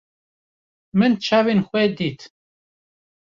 Min çavên xwe dît.